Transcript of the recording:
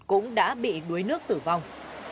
cũng đã bị đuối nước tử vong